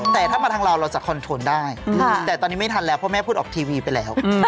แต่งงานแล้วค่ะ